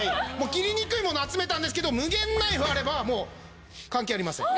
切りにくいもの集めたんですけど夢ゲンナイフあれば関係ありません。